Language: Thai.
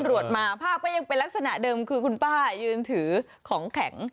มาภาพก็ยังเป็นลักษณะเดิมคือคุณป้ายืนถือของแข็ง